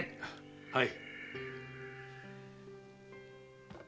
はい。